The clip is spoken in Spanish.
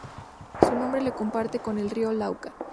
Su nombre lo comparte con el río Lauca.